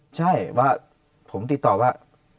ใช่ว่าผมติดต่อว่า